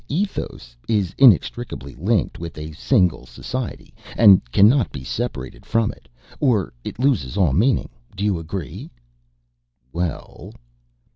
Ethos is inextricably linked with a single society and cannot be separated from it, or it loses all meaning. Do you agree?" "Well...."